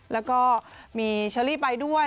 แล้วก็มีเชอรี่ไปด้วย